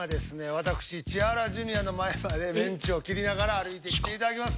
私千原ジュニアの前までメンチを切りながら歩いてきていただきます。